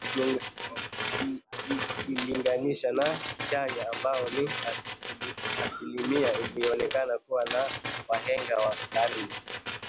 ikilinganishwa na chanya ambazo ni asilimia Alionelea kuwe na wahenga wa karne